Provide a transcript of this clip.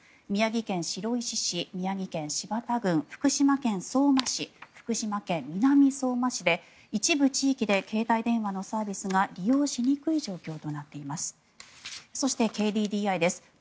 宮城県白石市、宮城県柴田郡福島県相馬市、福島県南相馬市で一部地域で携帯電話のサービスが利用しにくい状況となっています。